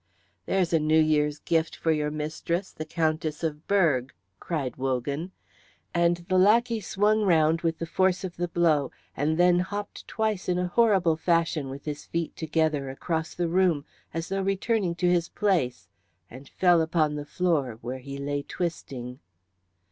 "There's a New Year's gift for your mistress, the Countess of Berg," cried Wogan; and the lackey swung round with the force of the blow and then hopped twice in a horrible fashion with his feet together across the room as though returning to his place, and fell upon the floor, where he lay twisting.